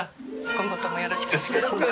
今後ともよろしくお願いします。